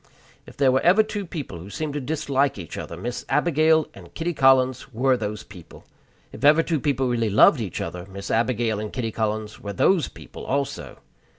If there were ever two people who seemed to dislike each other, Miss Abigail and Kitty Collins were those people. If ever two people really loved each other, Miss Abigail and Kitty Collins were those people also.